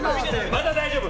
まだ大丈夫！